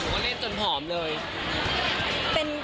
มารีฟจนผ่อมเลย